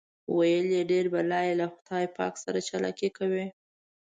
ویل یې ډېر بلا یې له خدای پاک سره چالاکي کوي.